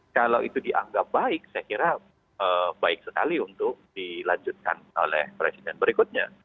kalau itu dianggap baik saya kira baik sekali untuk dilanjutkan oleh presiden berikutnya